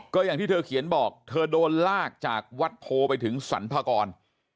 ก็อย่างที่เธอเขียนบอกเธอโดนลากจากวัดโพไปถึงสรรพากร